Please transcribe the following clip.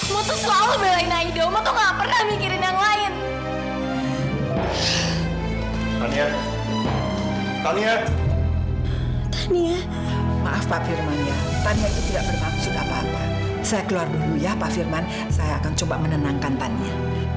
kamu tuh selalu belain aida kamu tuh nggak pernah mikirin yang lain tania tania tania maaf pak firman ya tania itu tidak bermaksud apa apa saya keluar dulu ya pak firman saya akan coba menenangkan tania